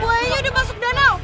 boynya udah masuk danau